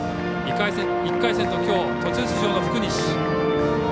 １回戦ときょう途中出場の福西。